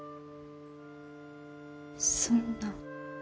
そんな。